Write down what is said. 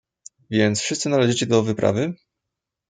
"więc wszyscy należycie do wyprawy?"